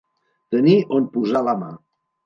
Tenir on posar la mà.